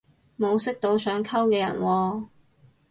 冇識到想溝嘅人喎